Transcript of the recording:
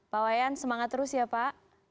pak wayan semangat terus ya pak